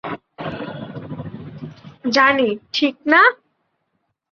জানি, ঠিক না?